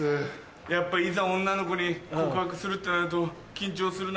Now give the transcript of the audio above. やっぱいざ女の子に告白するってなると緊張するな。